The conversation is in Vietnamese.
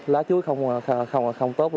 lá chuối không tốt